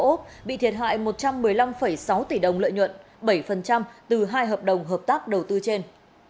úc bị thiệt hại một trăm một mươi năm sáu tỷ đồng lợi nhuận bảy từ hai hợp đồng hợp tác đầu tư trên